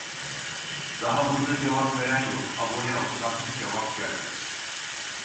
Daha burda cevap veren yok abone olsam hiç cevap gelmez